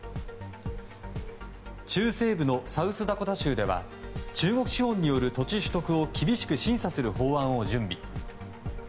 中西部のサウスダコタ州では中国資本による土地取得を厳しく審査する法案を準備。